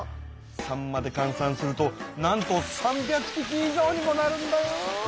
さんまでかん算するとなんと３００ぴき以上にもなるんだよ！